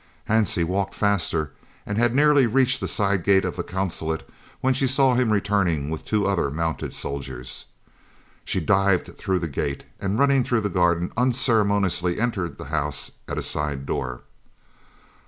Hansie walked faster, and had nearly reached the side gate of the Consulate, when she saw him returning with two other mounted soldiers. She dived through the gate, and running through the garden, unceremoniously entered the house at a side door.